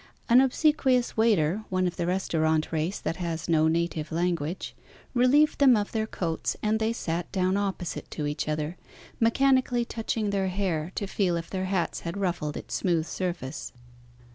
An obsequious waiter one of the restaurant race that has no native language relieved them of their coats, and they sat down opposite to each other, mechanically touching their hair to feel if their hats had ruffled its smooth surface.